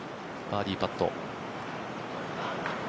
バーディーパット。